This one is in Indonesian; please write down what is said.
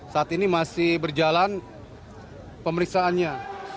saat ini masih berjalan pemeriksaannya